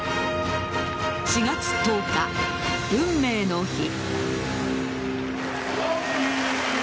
４月１０日、運命の日。